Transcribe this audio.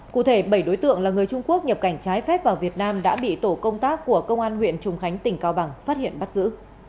cụ thể bảy đối tượng là người trung quốc nhập cảnh trái phép vào việt nam đã bị tổ công tác của công an huyện trùng khánh tỉnh cao bằng phát hiện bắt giữ